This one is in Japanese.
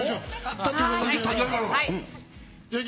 立ってください。